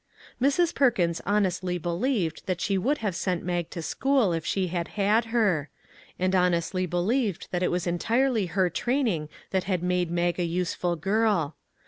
Mrs. Perkins honestly believed that she would have sent Mag to school if she had had her, and honestly believed that it was entirely her training that had made Mag a useful girl.